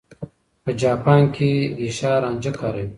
په جاپان کې ګېشا رانجه کاروي.